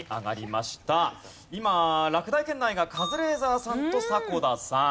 今落第圏内がカズレーザーさんと迫田さん。